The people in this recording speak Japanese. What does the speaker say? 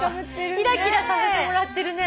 キラキラさせてもらってるね。